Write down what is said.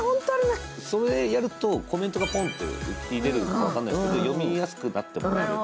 それをやると、コメントがポンと出るか分からないですけど、読みやすくなってもらえる。